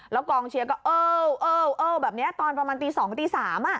แล้วกองเชียร์ก็เอ้าเอ้าเอ้าแบบเนี้ยตอนประมาณตี๒ตี๓อ่ะ